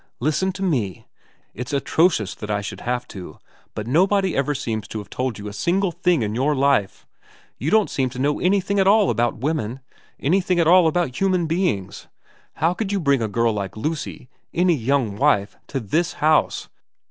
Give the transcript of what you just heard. ' Listen to me. It's atrocious that I should have to, but nobody ever seems to have told you a single thing in your life. You don't seem to know anything at all about women, anything at all about human beings. How could you bring a girl like Lucy any young wife to this house